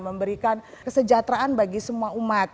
memberikan kesejahteraan bagi semua umat